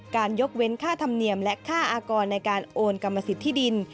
ยกเว้นค่าธรรมเนียมและค่าอากรในการโอนกรรมสิทธิดิน